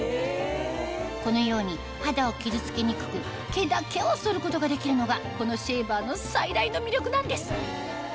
このように肌を傷つけにくく毛だけを剃ることができるのがこのシェーバーの最大の魅力なんですへぇ。